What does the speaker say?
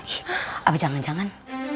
ih apa jangan jangan